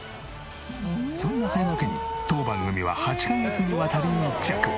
そんな早野家に当番組は８カ月にわたり密着。